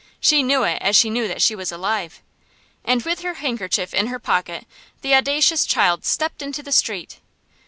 She knew it as she knew that she was alive. And with her handkerchief in her pocket the audacious child stepped into the street!